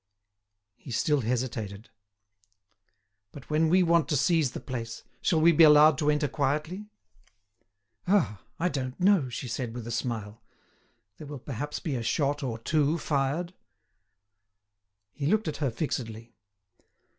He still hesitated. "But when we want to seize the place, shall we be allowed to enter quietly?" "Ah! I don't know," she said, with a smile. "There will perhaps be a shot or two fired." He looked at her fixedly.